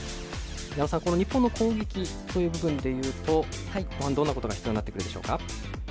日本の攻撃の部分でいうと後半、どんなことが必要になってくるでしょうか？